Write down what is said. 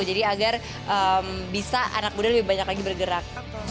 jadi agar bisa anak muda lebih banyak lagi bergerak